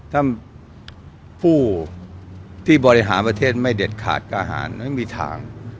ถ้าผู้ที่บริหารประเทศไม่เด็ดขาดกล้าหารไม่มีทาง